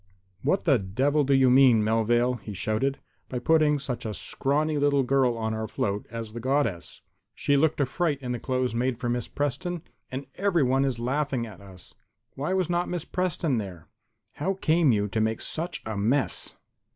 "What the devil do you mean, Melvale," he shouted, "by putting such a scrawny little girl on our float as the Goddess? She looked a fright in the clothes made for Miss Preston, and everyone is laughing at us. Why was not Miss Preston there? How came you to make such a mess?"